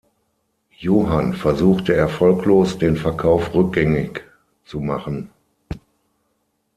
Johann versuchte erfolglos den Verkauf rückgängig zu machen.